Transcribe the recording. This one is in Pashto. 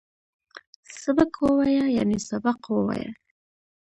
سبک وویه ، یعنی سبق ووایه